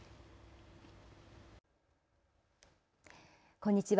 こんにちは。